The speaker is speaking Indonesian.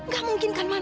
gak mungkin kan man